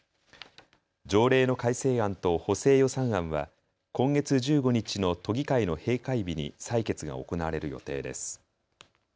条例の改正案と補正予算案は今月１５日の都議会の閉会日に採決が行われる予定です。